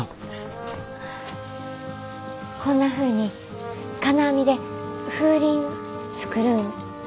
こんなふうに金網で風鈴作るんどうですか？